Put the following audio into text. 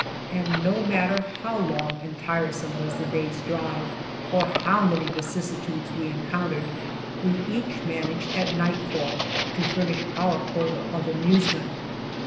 And no matter how long and tiresome was the day's drive, or how many vicissitudes we encountered, we each managed at nightfall to furnish our quota of amusement.